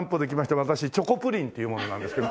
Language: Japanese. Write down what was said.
私チョコプリンっていう者なんですけど。